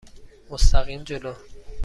مستقیم جلو.